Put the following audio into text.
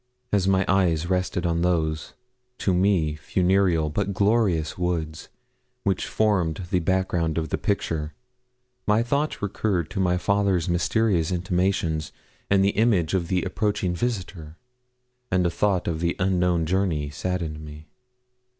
As my eyes rested on those, to me, funereal but glorious woods, which formed the background of the picture, my thoughts recurred to my father's mysterious intimations and the image of the approaching visitor; and the thought of the unknown journey saddened me.